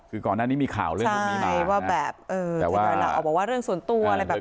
คือก่อนหน้านี้มีข่าวเรื่องแบบนี้มาทยอยลาออกบอกว่าเรื่องส่วนตัวอะไรแบบนี้